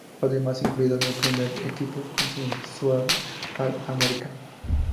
Fue además incluido en el primer equipo consensuado All-American.